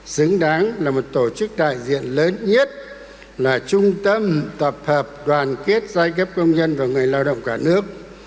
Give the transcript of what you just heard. xứng đáng là một tổ chức đại diện lớn nhất là trung tâm tập hợp đoàn kết giai cấp công nhân và người lao động cả nước